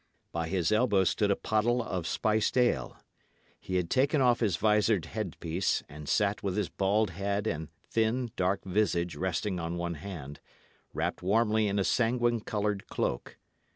By his elbow stood a pottle of spiced ale. He had taken off his visored headpiece, and sat with his bald head and thin, dark visage resting on one hand, wrapped warmly in a sanguine coloured cloak.